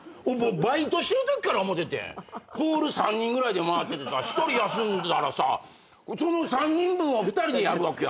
バイトしてるときから思っててホール３人ぐらいで回っててさ１人休んだらさその３人分を２人でやるわけや。